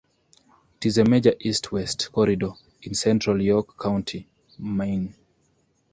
It is a major east-west corridor in central York County, Maine.